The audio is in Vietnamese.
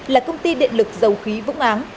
là công ty điện lực dầu khí vũng áng